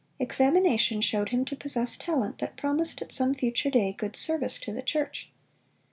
Examination showed him to possess talent that promised at some future day good service to the church.